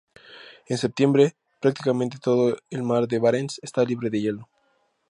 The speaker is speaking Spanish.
En septiembre prácticamente todo el mar de Barents está libre de hielo.